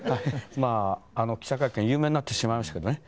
まああの記者会見有名になってしまいましたけどね。